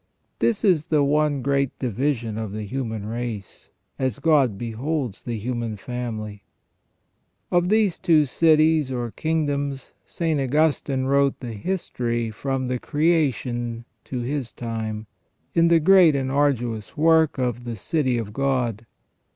This is the one great division of the human race, as God beholds the human family. Of these two cities or kingdoms St. Augustine wrote the history from the creation to his time, in his great and arduous work of "The City of God".